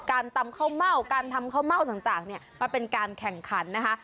ตำข้าวเม่าการทำข้าวเม่าต่างเนี่ยมาเป็นการแข่งขันนะคะ